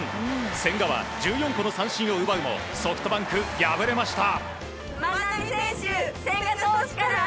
千賀は１７個の三振を奪うもソフトバンク敗れました。